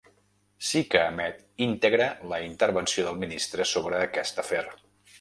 Sí que emet íntegra la intervenció del ministre sobre aquest afer.